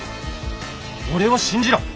俺を信じろ！